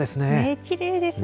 きれいですね。